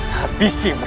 jalan jalan men